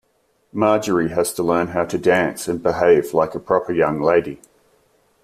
Marjorie has to learn how to dance and behave like a proper young lady.